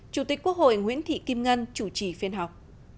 chủ tịch quốc hội nguyễn thị kim ngân chủ trì phiên họp